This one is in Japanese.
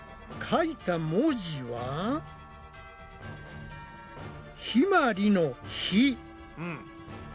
書いた文字はひまりの「ひ」。